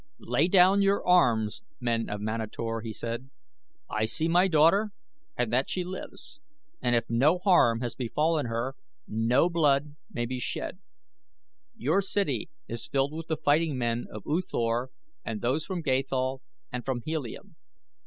"Lay down your arms, men of Manator," he said. "I see my daughter and that she lives, and if no harm has befallen her no blood need be shed. Your city is filled with the fighting men of U Thor, and those from Gathol and from Helium.